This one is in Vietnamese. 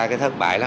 cái thất bại lắm